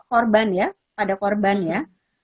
korban ya pada korban ya